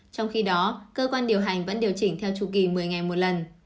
trong khi đó cơ quan điều hành vẫn điều chỉnh theo chu kỳ một mươi ngày một lần